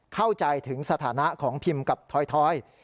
เข้าใจถึงสถานะของพิมพ์กับถอย